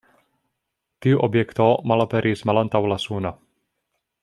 Tiu objekto malaperis malantaŭ la Suno.